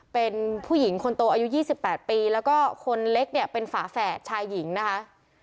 เป็นผู้หญิงคนโตอายุ๒๘ปีแล้วก็คนเล็กเนี่ยเป็นฝาแฝดชายหญิงนะคะ